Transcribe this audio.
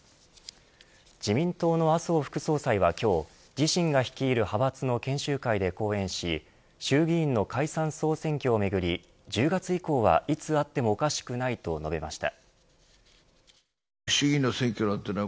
自民党の麻生副総裁は、今日自身が率いる派閥の研修会で講演し衆議院の解散総選挙をめぐり１０月以降はいつあってもおかしくないと述べました。